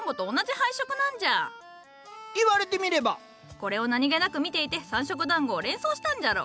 これを何気なく見ていて３色団子を連想したんじゃろ。